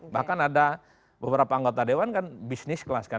bahkan ada beberapa anggota dewan kan bisnis kelas kan